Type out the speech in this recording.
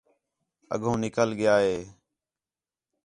اڳّوں نِکل ڳِیا ہے